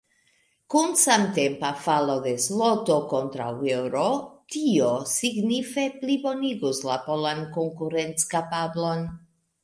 Kun samtempa falo de zloto kontraŭ eŭro, tio signife plibonigus la polan konkurenckapablon.